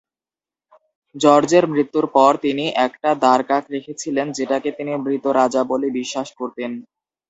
জর্জের মৃত্যুর পর, তিনি একটা দাঁড়কাক রেখেছিলেন, যেটাকে তিনি মৃত রাজা বলে বিশ্বাস করতেন।